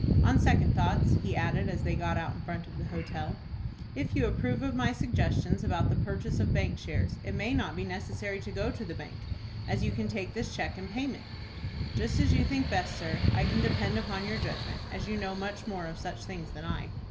On second thoughts," he added, as they got out in front of the hotel, "if you approve of my suggestions about the purchase of bank shares, it may not be necessary to go to the bank, as you can take this cheque in payment." "Just as you think best, sir. I can depend upon your judgment, as you know much more of such things than I."